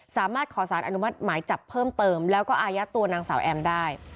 สามารถขอสารอนุมัติหมายจับเพิ่มเติมแล้วก็อายัดตัวนางสาวแอมได้